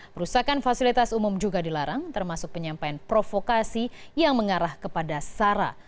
perusakan fasilitas umum juga dilarang termasuk penyampaian provokasi yang mengarah kepada sara